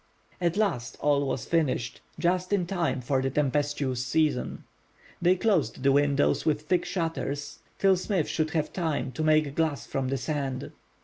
At last, all was finished, just in time for the tempestuous season. They closed the windows with thick shutters till Smith should have time to make glass from the sand.